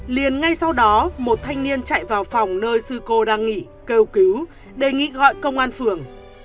liền ngay sau đó một thanh niên chạy vào phòng nơi sư cô đang nghỉ kêu cứu đề nghị gọi công an phường